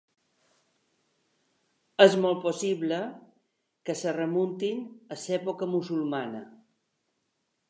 És molt possible que es remunten a l'època musulmana.